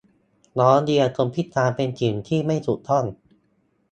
ล้อเลียนคนพิการ เป็นสิ่งที่ไม่ถูกต้อง